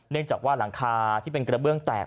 จากว่าหลังคาที่เป็นกระเบื้องแตก